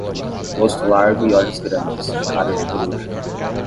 Rosto largo e olhos grandes, cara de coruja.